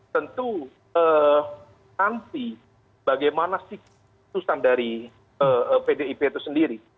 tentu nanti bagaimana siklusan dari pdip itu sendiri